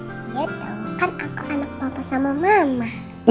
iya tau kan aku anak papa sama mama